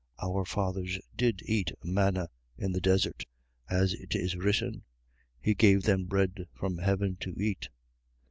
6:31. Our fathers did eat manna in the desert, as it is written: He gave them bread from heaven to eat.